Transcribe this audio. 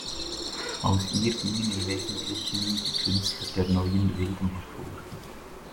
Aus ihr gingen im Wesentlichen die Künstler der "Neuen Wilden" hervor.